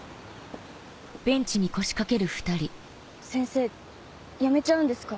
先生辞めちゃうんですか？